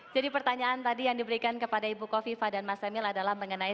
jadi pertanyaan tadi yang diberikan kepada bu kofifa dan mas emil adalah mengenai